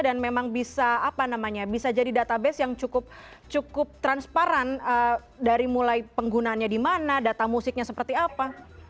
dan memang bisa apa namanya bisa jadi database yang cukup transparan dari mulai penggunaannya di mana data musiknya seperti apa